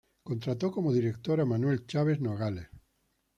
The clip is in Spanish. Contrató como director a Manuel Chaves Nogales.